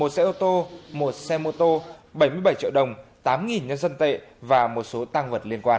một xe ô tô một xe mô tô bảy mươi bảy triệu đồng tám nhân dân tệ và một số tăng vật liên quan